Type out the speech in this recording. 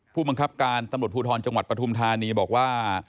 ผู้บังคับการตำรวจภูทรจังหวัดปฐุมธานีบอกว่า